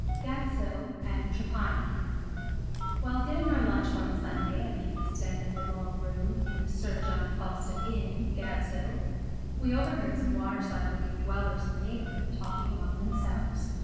Gadshill and Trapani While getting our lunch one Sunday at the east end of the long room in the Sir John Falstaff Inn, Gadshill, we overheard some waterside looking dwellers in the neighbourhood talking among themselves.